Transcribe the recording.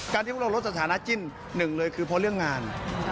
ที่พวกเราลดสถานะจิ้นหนึ่งเลยคือเพราะเรื่องงาน